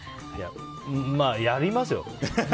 まあ、やりますよ。